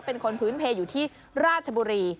เป็นคนพื้นเพลอยู่ที่ราชบุรี